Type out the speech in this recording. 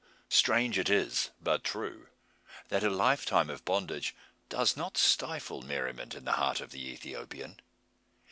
Strange it is, but true, that a lifetime of bondage does not stifle merriment in the heart of the Ethiopian.